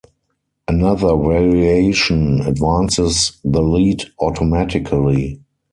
Another variation advances the lead automatically.